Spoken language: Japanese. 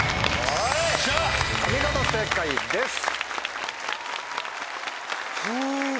お見事正解です。